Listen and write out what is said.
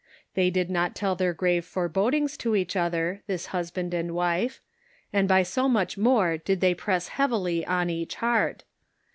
They did not tell their grave forebodings to each other, this husband and wife, and by so much more did they press heavily on each heart.